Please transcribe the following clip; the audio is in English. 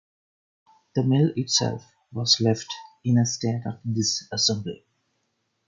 The mill itself was left in a state of disassembly.